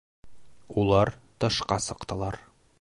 Улар тышҡа сыҡтылар.